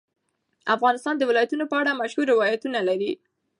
افغانستان د ولایتونو په اړه مشهور روایتونه لري.